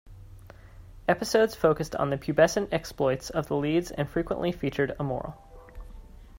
Episodes focused on the pubescent exploits of the leads and frequently featured a moral.